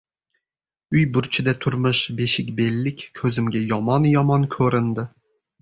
Uy burchida turmish beshikbellik ko‘zimg‘a yomon-yomon ko‘rindi.